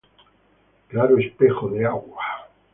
Claro Espejo de Agua".